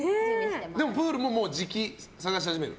でもプールもじきに探し始める？